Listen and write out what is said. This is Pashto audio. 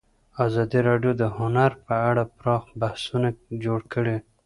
ازادي راډیو د هنر په اړه پراخ بحثونه جوړ کړي.